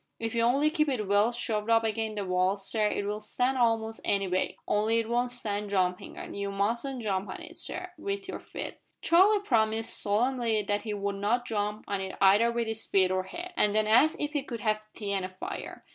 If you only keep it well shoved up agin the wall, sir, it'll stand a'most any weight only it won't stand jumpin' on. You mustn't jump on it, sir, with your feet!" Charlie promised solemnly that he would not jump on it either with his feet or head, and then asked if he could have tea and a fire.